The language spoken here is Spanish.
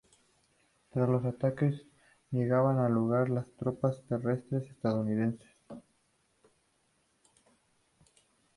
Tras los ataques, llegaban al lugar las tropas terrestres estadounidenses.